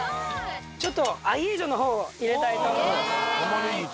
ちょっと、アヒージョのほうを入れたいと思います。